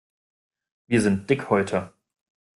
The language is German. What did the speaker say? Wir sind Dickhäuter.